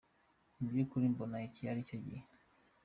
Mu by'ukuri mbona iki ari cyo gihe.